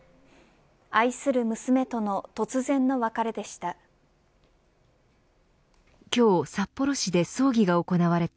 愛する娘との突然の別れでした。